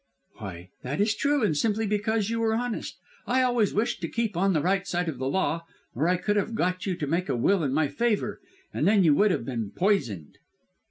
"Why, that is true, and simply because you were honest. I always wished to keep on the right side of the law, or I could have got you to make a will in my favour, and then you would have been poisoned."